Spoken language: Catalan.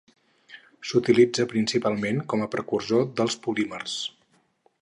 S'utilitza principalment com a precursor dels polímers.